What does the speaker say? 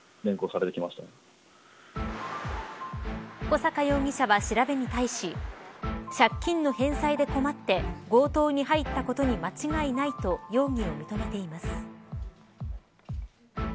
小阪容疑者は、調べに対し借金の返済で困って強盗に入ったことに間違いないと容疑を認めています。